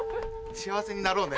幸せになろうね。